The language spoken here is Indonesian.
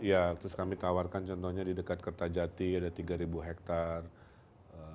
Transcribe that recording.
iya terus kami tawarkan contohnya di dekat kertajati ada tiga hektare